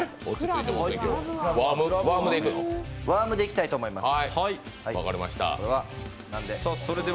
ワームでいきたいと思います。